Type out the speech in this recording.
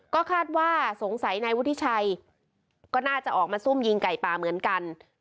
ก็คาดว่าสงสัยนายวุฒิชัยก็น่าจะออกมาซุ่มยิงไก่ป่าเหมือนกัน